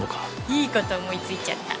いいこと思いついちゃった。